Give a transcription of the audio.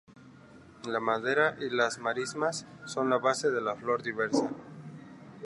La madera y las marismas son la base de la flora diversa.